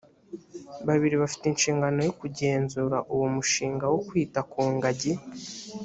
babiri bafite inshingano yo kugenzura uwo mushinga wo kwita ku ngagi